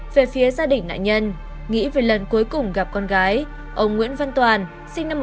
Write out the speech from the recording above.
về phía gia đình nạn nhân nghĩ về lần cuối cùng gặp con gái ông nguyễn văn toàn sinh năm một nghìn chín trăm tám mươi